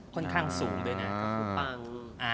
ค่อนข้างสูงด้วยนะ